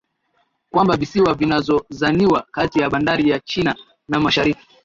kwamba viziwa vinazozaniwa kati ya bandari ya china na mashariki